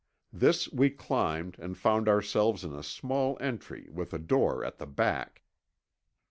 This we climbed and found ourselves in a small entry with a door at the back.